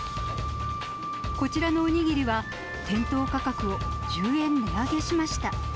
こちらのお握りは、店頭価格を１０円値上げしました。